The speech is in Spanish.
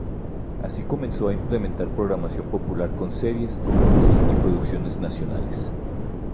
Así comenzó a implementar programación popular con series, concursos y producciones nacionales.